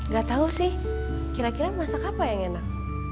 gatau sih kira kira masak apa yang enak